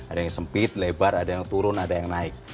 ada yang sempit lebar ada yang turun ada yang naik